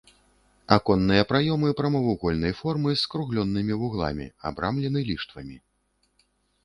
Аконныя праёмы прамавугольнай формы, з скругленымі вугламі, абрамлены ліштвамі.